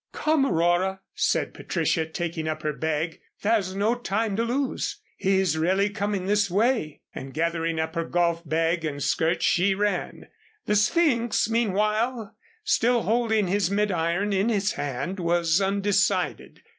"Come, Aurora," said Patricia, taking up her bag. "There's no time to lose. He's really coming this way," and gathering up her golf bag and skirts, she ran. The Sphynx, meanwhile, still holding his mid iron in his hand, was undecided.